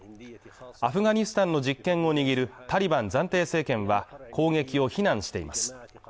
アフガニスタンの実権を握るタリバン暫定政権は攻撃を非難しています